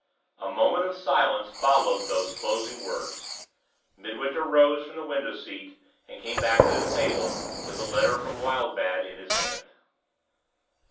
A moment of silence followed those closing words. Midwinter rose from the window seat, and came back to the table with the letter from Wildbad in his hand.